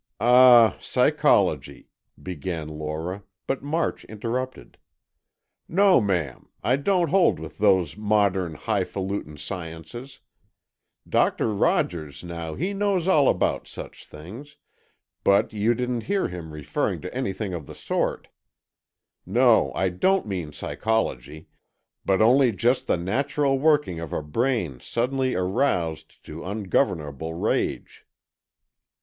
"Ah, psychology——" began Lora, but March interrupted. "No, ma'am, I don't hold with those modern, hifalutin sciences. Doctor Rogers, now, he knows all about such things, but you didn't hear him referring to anything of the sort. No, I don't mean psychology, but only just the natural working of a brain suddenly roused to ungovernable rage."